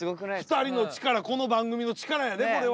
２人の力この番組の力やでこれは。